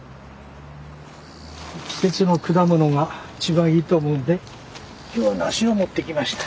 季節の果物が一番いいと思うんで今日はナシを持ってきました。